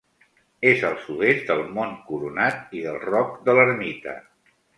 És al sud-est del Mont Coronat i del Roc de l'Ermita.